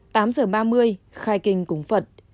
tám h ba mươi khai kinh cúng phật